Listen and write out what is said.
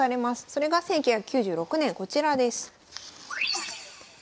それが１９９６年こちらです。